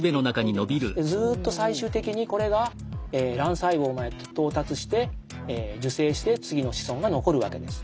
ずっと最終的にこれが卵細胞まで到達して受精して次の子孫が残るわけです。